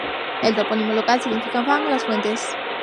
El topónimo local significa en fang "Las Fuentes".